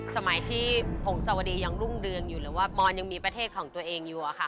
สมัยที่พงศวดียังรุ่งเรืองอยู่หรือว่ามอนยังมีประเทศของตัวเองอยู่อะค่ะ